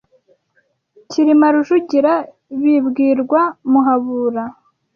Cyilima Rujugira bibwirwa Muhabura